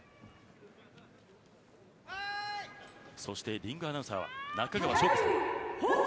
リングアナウンサーは中川翔子さんです。